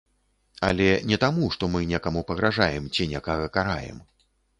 Але не таму, што мы некаму пагражаем ці некага караем.